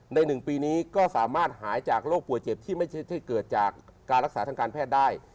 ๑ปีนี้ก็สามารถหายจากโรคป่วยเจ็บที่ไม่ใช่เกิดจากการรักษาทางการแพทย์ได้